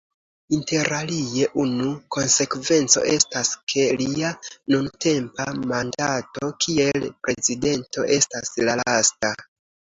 Interalie unu konsekvenco estas, ke lia nuntempa mandato kiel prezidento estas la lasta.